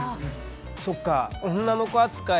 そっか。